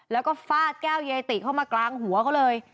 แล้วก็ฟาดแก้วยายติเข้ามากลางหัวเขาเลย